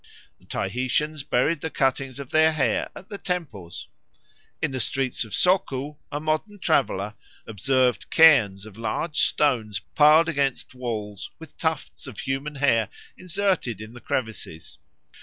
The Tahitians buried the cuttings of their hair at the temples. In the streets of Soku a modern traveller observed cairns of large stones piled against walls with tufts of human hair inserted in the crevices.